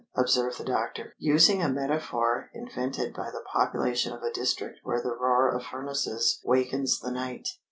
observed the doctor, using a metaphor invented by the population of a district where the roar of furnaces wakens the night.